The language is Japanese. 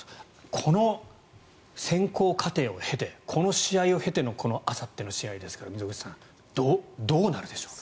この選考過程を経てこの試合を経てのあさっての試合ですけど溝口さんどうなるでしょうか。